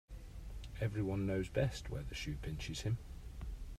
Every one knows best where the shoe pinches him.